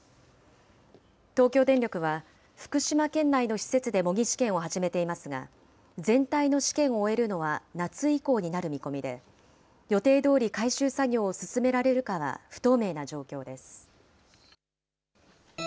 東京電力は、福島県内の施設で模擬試験を始めていますが、全体の試験を終えるのは夏以降になる見込みで、予定どおり回収作業を進められるかは不透明な状況です。